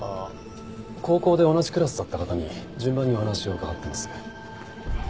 高校で同じクラスだった方に順番にお話を伺っています。